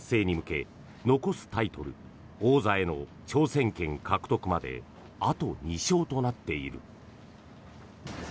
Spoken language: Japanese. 史上初の八冠達成に向け残すタイトル、王座への挑戦権獲得まであと２勝となっている。